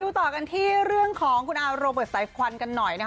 ต่อกันที่เรื่องของคุณอาโรเบิร์ตสายควันกันหน่อยนะคะ